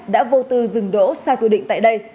đã vô tư dừng đỗ sai quy định tại đây